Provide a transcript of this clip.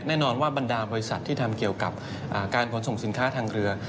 แน่นอนว่าบรรดาบริษัทที่ทำเกี่ยวกับการขนส่งสินค้าทางเรือ